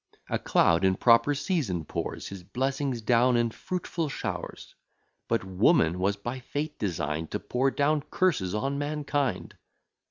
A cloud in proper season pours His blessings down in fruitful showers; But woman was by fate design'd To pour down curses on mankind.